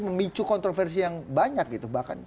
memicu kontroversi yang banyak gitu bahkan